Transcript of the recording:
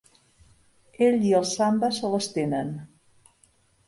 Ell i el Samba se les tenen.